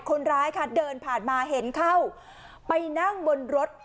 คนร้ายค่ะเดินผ่านมาเห็นเข้าไปนั่งบนรถ